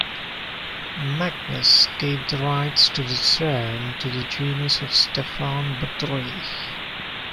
Magnus gave the rights to the throne to the genus of Stefan Batory.